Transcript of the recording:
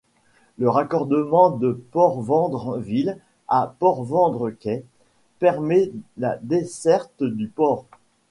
Le raccordement de Port-Vendres-Ville à Port-Vendres-Quais permet la desserte du port.